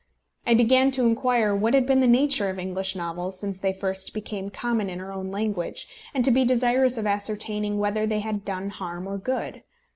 I began to inquire what had been the nature of English novels since they first became common in our own language, and to be desirous of ascertaining whether they had done harm or good.